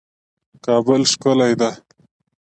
کابل ښکلی ده